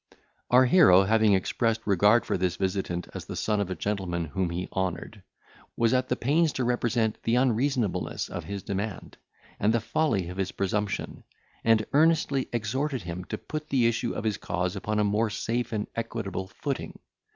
Our hero, having expressed a regard for this visitant as the son of a gentleman whom he honoured, was at the pains to represent the unreasonableness of his demand, and the folly of his presumption; and earnestly exhorted him to put the issue of his cause upon a more safe and equitable footing.